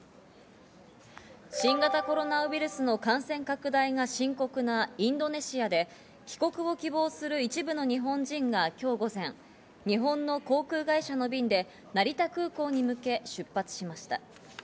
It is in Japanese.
新型コロナウイルスの感染拡大が深刻なインドネシアで帰国を希望する一部の日本人が今日午前、日本の航空会社の便で成田空港に向け出発しました。